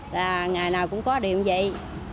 là ngày nào cũng có điểm vậy